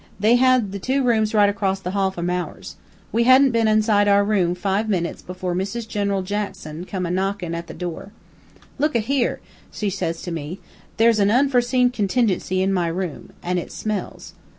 They had two rooms right across the hall from ours. We hadn't been inside our room five minutes before Mrs. General Jackson come a knockin' at the door. "'Look a here,' she says to me, 'there's a unforeseen contingency in my room. An' it smells.'